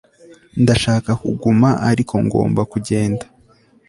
ndashaka kuguma ariko ngomba kugenda